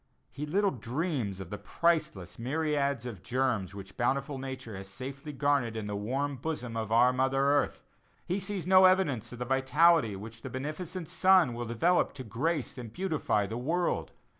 He little dreams of the priceless myriads of germs which bountiful Nature has safely garnered in the warm bosom of our mother earth; he sees no evidence of that vitality which the beneficent sun will develop to grace and beautify the world.